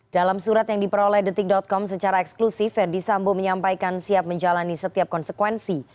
dalam surat yang diperoleh detik com secara eksklusif verdi sambo menyampaikan siap menjalani setiap konsekuensi